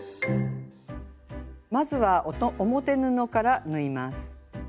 まずは表布から縫います。